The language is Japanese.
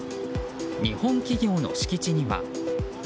日本企業の敷地には。